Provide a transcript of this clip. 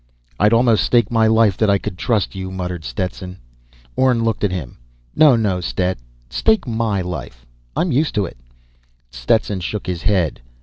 "I'd almost stake my life that I could trust you," muttered Stetson. Orne looked at him. "No, no, Stet ... stake my life. I'm used to it." Stetson shook his head.